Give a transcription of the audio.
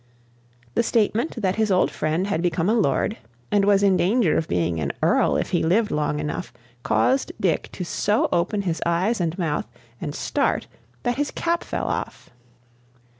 The statement that his old friend had become a lord, and was in danger of being an earl if he lived long enough, caused Dick to so open his eyes and mouth, and start, that his cap fell off.